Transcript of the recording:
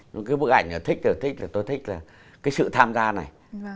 cái bức ảnh thích là thích tôi thích là cái sự tham gia này